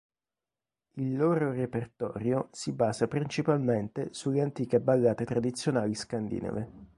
Il loro repertorio si basa principalmente sulle antiche ballate tradizionali scandinave.